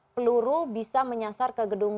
peluru bisa menyasar ke gedung